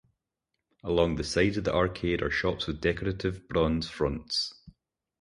Along the sides of the arcade are shops with decorative bronze fronts.